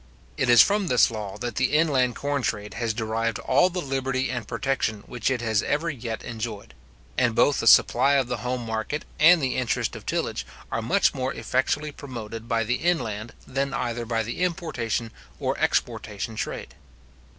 It is from this law that the inland corn trade has derived all the liberty and protection which it has ever yet enjoyed; and both the supply of the home market and the interest of tillage are much more effectually promoted by the inland, than either by the importation or exportation trade.